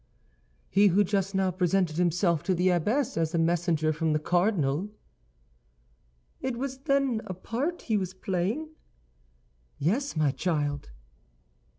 "He who just now presented himself to the abbess as a messenger from the cardinal." "It was, then, a part he was playing?" "Yes, my child."